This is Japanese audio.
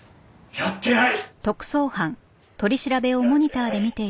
「やってない！」